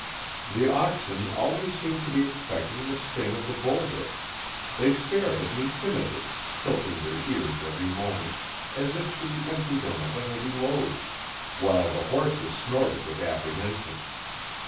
The oxen seemed always to be expecting the sting of the bull whip; they stared at me timidly, tilting their ears every moment, as if to empty them of a heavy load; while the horses snorted with apprehension.